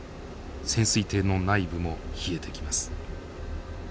潜水艇の内部も冷えてきます。